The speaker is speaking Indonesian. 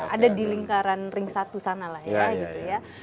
ada di lingkaran ring satu sana lah ya gitu ya